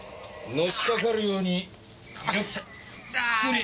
のしかかるようにゆっくり圧迫すれば。